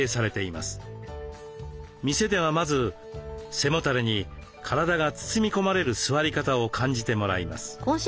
店ではまず背もたれに体が包み込まれる座り方を感じてもらいます。